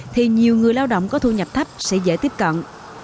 thì nhiều người lao động có thu nhập thấp sẽ dễ tiếp cận